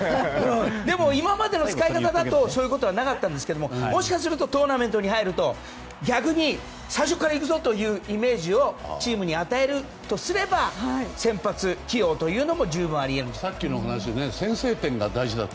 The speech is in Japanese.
でも、今までの使い方だとそういうことはなかったんですけどもしかするとトーナメントに入ると逆に、最初から行くぞ！というイメージをチームに与えるとすれば先発起用も十分あり得るかと。